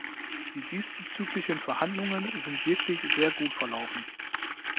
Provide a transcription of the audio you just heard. Die diesbezüglichen Verhandlungen sind wirklich sehr gut verlaufen.